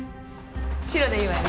白でいいわよね？